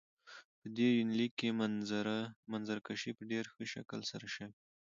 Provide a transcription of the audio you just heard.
په دې يونليک کې منظره کشي په ډېر ښه شکل سره شوي.